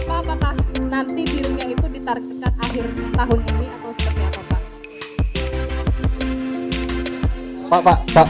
apakah nanti dirinya itu ditargetkan akhir tahun ini atau seperti apa pak pak pak pak